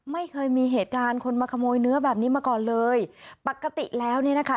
ไม่เคยมีเหตุการณ์คนมาขโมยเนื้อแบบนี้มาก่อนเลยปกติแล้วเนี่ยนะคะ